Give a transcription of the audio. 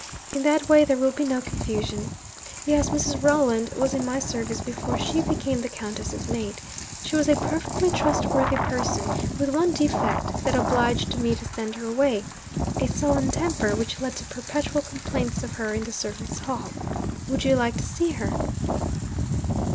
In that way there will be no confusion. Yes, Mrs. Rolland was in my service before she became the Countess's maid. She was a perfectly trustworthy person, with one defect that obliged me to send her away a sullen temper which led to perpetual complaints of her in the servants' hall. Would you like to see her?'